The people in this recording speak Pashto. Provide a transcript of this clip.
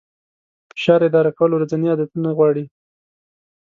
فشار اداره کول ورځني عادتونه غواړي.